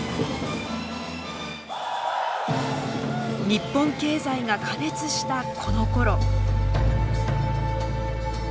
日本経済が過熱したこのころ。